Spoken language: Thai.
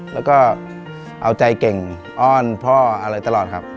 แล้วก็เอาใจเก่งอ้อนพ่ออะไรตลอดครับ